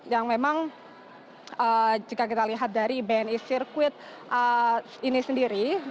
yang memang jika kita lihat dari bni sirkuit ini sendiri